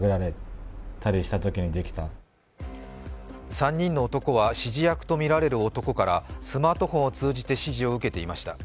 ３人の男は指示役とみられる男からスマートフォンを通じて指示を受けていました。